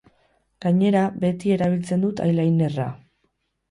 Gainera, beti erabiltzen dut eyelinerra.